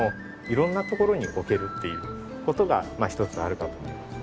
いろんなところに置けるっていう事がまあひとつあるかと思います。